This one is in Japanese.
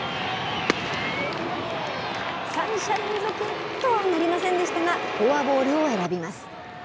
３者連続とはなりませんでしたが、フォアボールを選びます。